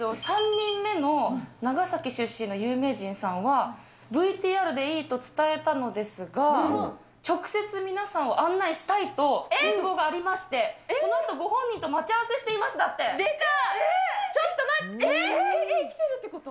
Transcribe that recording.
３人目の長崎出身の有名人さんは、ＶＴＲでいいと伝えたのですが、直接皆さんを案内したいと、熱望がありまして、このあと、ご本人と待ち合わせしていますだ出た！